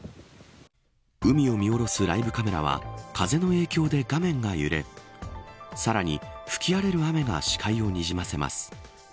海を見下ろすライブカメラは風の影響で画面が揺れさらに、吹き荒れる雨が視界をにじませます。